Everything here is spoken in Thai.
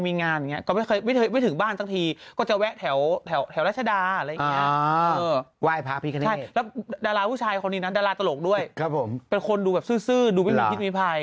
มันเรื่องคลาสสิกอย่างนั้นพี่นะ